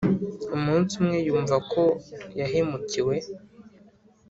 umunsi umwe yumva ko yahemukiwe